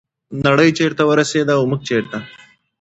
نړۍ چیرته ورسیده او موږ چیرته؟